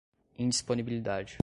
indisponibilidade